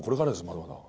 まだまだ。